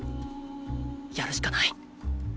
やるしかない。